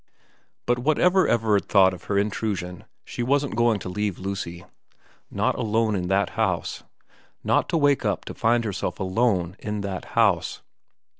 But whatever Everard thought of her intrusion she wasn't going to leave Lucy. Not alone in that house ; not to wake up to find herself alone in that house.